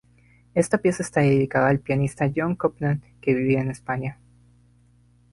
Esta pieza está dedicada al pianista John Copland que vivía en España.